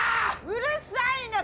うるさいね！